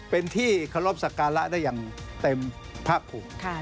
เป็นที่ครอบศักราะห์ได้อย่างเต็มพระภูมิ